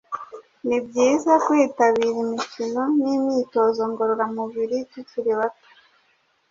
Ni byiza kwitabira imikino n’imyitozo ngororamubiri tukiri bato